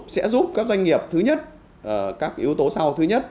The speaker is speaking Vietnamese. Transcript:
sẽ giúp các doanh nghiệp thứ nhất các yếu tố sau thứ nhất